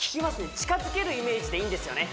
近づけるイメージでいいんですよね